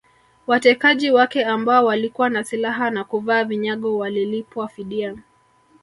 Watekaji wake ambao walikuwa na silaha na kuvaa vinyago walilipwa fidia